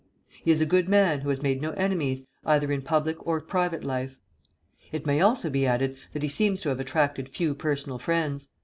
He is a good man, who has made no enemies, either in public or private life. It may also be added that he seems to have attracted few personal friends.